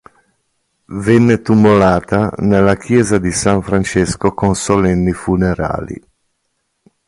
Venne tumulata nella chiesa di San Francesco con solenni funerali.